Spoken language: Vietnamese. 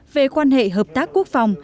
về quan hệ hợp tác quốc phòng